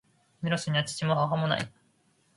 メロスには父も、母も無い。